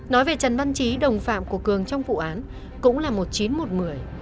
nói về trần văn trí đồng phạm của cường trong vụ án cũng là một chín một mười